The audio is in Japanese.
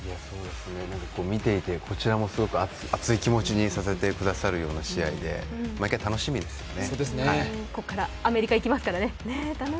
見ていて、こちらもすごく熱い気持ちにさせてくださるような試合で、毎回楽しみですよね。